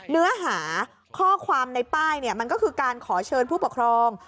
เนื้อหาข้อความในป้ายมันก็คือการขอเชิญผู้ปกครอง